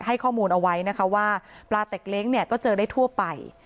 ให้ข้อมูลเอาไว้นะคะว่าปลาเต็กเล้งเนี่ยก็เจอได้ทั่วไป